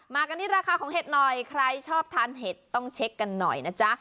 กันที่ราคาของเห็ดหน่อยใครชอบทานเห็ดต้องเช็คกันหน่อยนะจ๊ะ